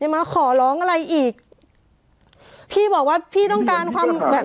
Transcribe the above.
มาขอร้องอะไรอีกพี่บอกว่าพี่ต้องการความแบบ